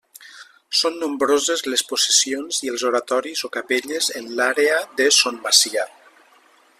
Són nombroses les possessions i els oratoris o capelles en l'àrea de Son Macià.